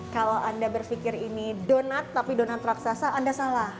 kalau anda berpikir ini donat tapi donat raksasa anda salah